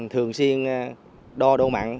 thường xuyên đo đô mặn